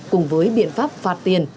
cùng với biện pháp phạt tiền